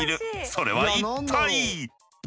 それは一体？